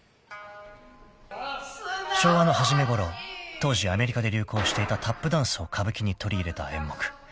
［昭和の初めごろ当時アメリカで流行していたタップダンスを歌舞伎に取り入れた演目］